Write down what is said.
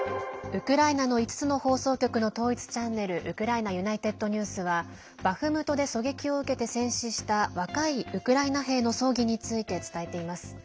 ウクライナの５つの放送局の統一チャンネルウクライナＵｎｉｔｅｄＮｅｗｓはバフムトで狙撃を受けて戦死した若いウクライナ兵の葬儀について伝えています。